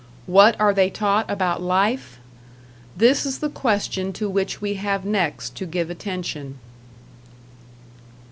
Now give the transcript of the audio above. What are they taught about life? This is the question to which we have next to give attention.